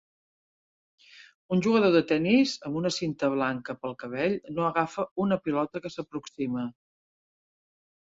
Un jugador de tenis amb una cinta blanca pel cabell no agafa una pilota que s'aproxima